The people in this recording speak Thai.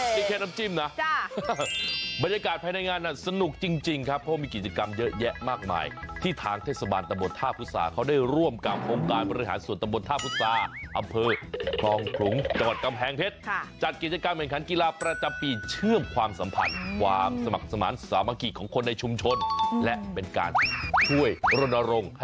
เย้เกลียดน้ำจิ้มนะบรรยากาศภายในงานน่ะสนุกจริงครับเพราะมีกิจกรรมเยอะแยะมากมายที่ทางเทศบาลตะบดท่าพุทธาเขาได้ร่วมกับองค์การบริหารส่วนตะบดท่าพุทธาอำเภอคลองขลุงจังหวัดกำแพงเพชรจัดกิจกรรมเหมือนการกีฬาประจำปีเชื่อมความสัมผัสความสมัครสมารถสามักกิจของ